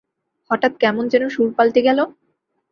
হঠাৎ কেমন যেনো সুর পাল্টে গেল?